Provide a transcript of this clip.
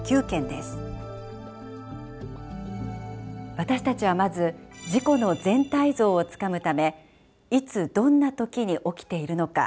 私たちはまず事故の全体像をつかむためいつどんな時に起きているのか。